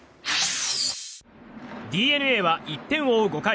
ＤｅＮＡは１点を追う５回。